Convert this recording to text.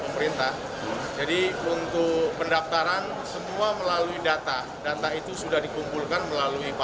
bagaimana perkembangan perkembangan ini